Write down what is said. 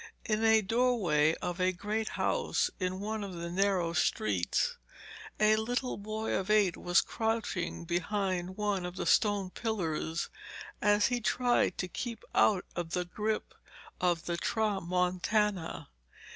In a doorway of a great house, in one of the narrow streets, a little boy of eight was crouching behind one of the stone pillars as he tried to keep out of the grip of the tramontana.